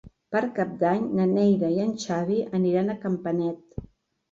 Per Cap d'Any na Neida i en Xavi aniran a Campanet.